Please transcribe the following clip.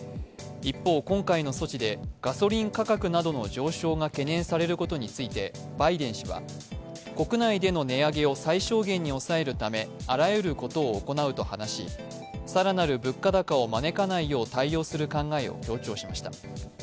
一方、今回の措置でガソリン価格などの上昇が懸念されることについてバイデン氏は、国内での値上げを最小限に抑えるためあらゆることを行うと話し、更なる物価高を招かないよう対応する考えを強調しました。